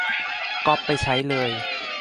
ก๊อปไปใช้เลย